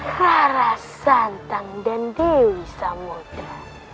rara santan dan dewi samudera